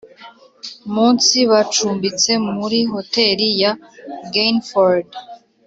Munsi bacumbitse muri hoteli ya gainford